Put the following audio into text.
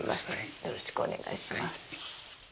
よろしくお願いします。